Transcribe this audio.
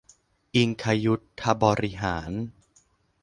อิงคยุทธบริหาร